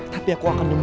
tapi aku akan dengerin